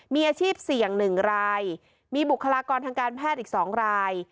มีอาชีพเสี่ยง๑รายมีบุคลากรทางการแพทย์อีก๒ราย